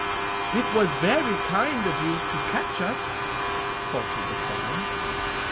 "It was very kind of you to catch us," faltered the clown.